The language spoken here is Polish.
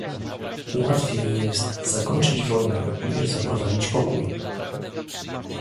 Łatwiej jest zakończyć wojnę niż zaprowadzić pokój